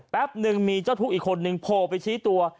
หนึ่งมีเจ้าทุกข์อีกคนนึงโผล่ไปชี้ตัว